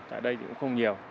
tại đây thì cũng không nhiều